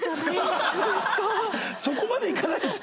そこまでいかないでしょ。